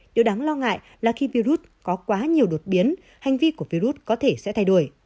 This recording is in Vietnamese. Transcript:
điều đáng lo ngại là khi virus có quá nhiều đột biến hành vi của virus có thể sẽ thay đổi